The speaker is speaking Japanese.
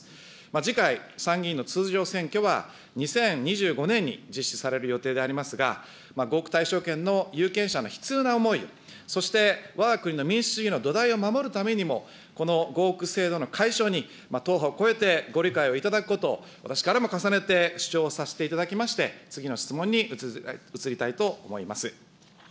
次回、参議院の通常選挙は、２０２５年に実施される予定でありますが、合区対象県の有権者の悲痛な思いを、そして、わが国の民主主義の土台を守るためにも、この合区制度の解消に党派を超えてご理解をいただくこと、私からも重ねて主張をさせていただきまして、次の質問に移りたいと思います。